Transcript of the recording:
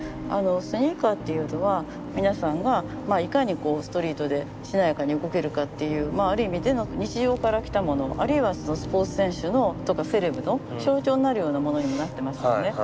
スニーカーっていうのは皆さんがいかにこうストリートでしなやかに動けるかっていうある意味での日常からきたものあるいはスポーツ選手のとかセレブの象徴になるようなものにもなってますよね。